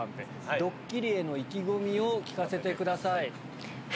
ドッキリへの意気込みを聞かせてください。